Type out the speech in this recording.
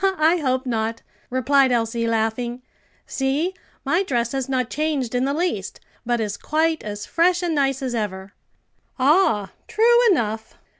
"I hope not," replied Elsie, laughing. "See, my dress has not changed in the least, but is quite as fresh and nice as ever." "Ah, true enough!